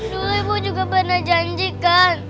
dulu ibu juga pernah janjikan